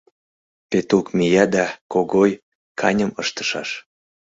Петук мия да «Когой, каньым ыштышаш.